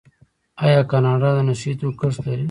آیا کاناډا د نشه یي توکو کښت لري؟